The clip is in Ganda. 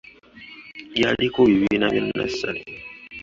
Lyaliko bibiina bya nnassale.